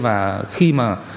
và khi mà